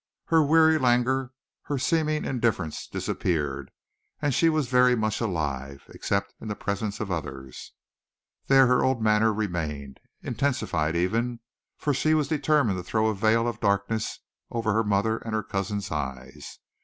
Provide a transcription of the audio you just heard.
Her weary languor, her seeming indifference, disappeared, and she was very much alive except in the presence of others. There her old manner remained, intensified even, for she was determined to throw a veil of darkness over her mother and her cousin's eyes.